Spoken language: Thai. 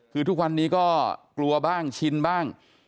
คือทุกวันนี้ก็กลัวบ้างชินบ้าง